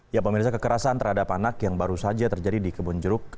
ya pemirsa kekerasan terhadap anak yang baru saja terjadi di kebun jeruk